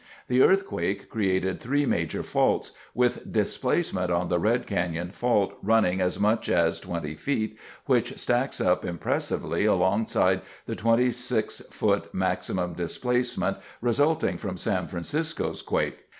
The earthquake created three major faults, with displacement on the Red Canyon Fault running as much as 20 ft., which stacks up impressively alongside the 26 ft. maximum displacement resulting from San Francisco's quake.